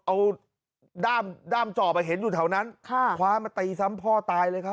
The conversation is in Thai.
เอาด้ามจอบเห็นอยู่แถวนั้นคว้ามาตีซ้ำพ่อตายเลยครับ